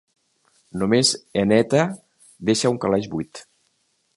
Només «eneta» deixa un calaix buit.